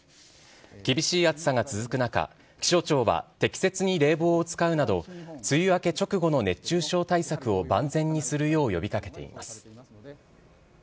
厳しい暑さが続く中、気象庁は適切に冷房を使うなど、梅雨明け直後の熱中症対策を万全にするよう呼びかけています